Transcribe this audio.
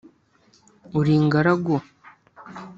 uri ingaragu